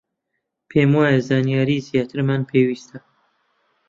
پێم وایە زانیاریی زیاترمان پێویستە.